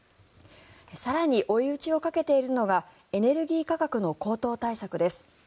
更に追い打ちをかけているのがエネルギー価格の高騰対策です。